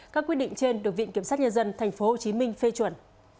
các quyết định trên được viện kiểm sát nhân dân tp hcm phê chuẩn